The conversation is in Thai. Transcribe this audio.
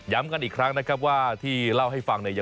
กันอีกครั้งนะครับว่าที่เล่าให้ฟังเนี่ย